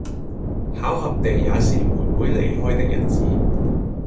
巧合地也是妹妹離開的日子，